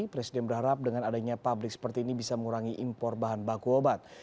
presiden berharap dengan adanya pabrik seperti ini bisa mengurangi impor bahan baku obat